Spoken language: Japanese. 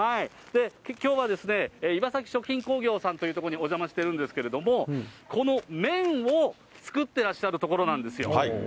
きょうは、岩崎食品工業さんという所にお邪魔しているんですけれども、この麺を作ってらっしゃる所なんですよ。